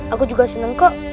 aku juga seneng kok